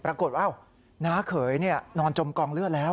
ปรากฏว่าน้าเขยนอนจมกองเลือดแล้ว